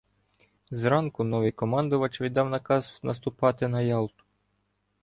Зранку новий командувач віддав наказ наступати на Ялту.